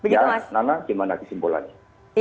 ya nana gimana kesimpulannya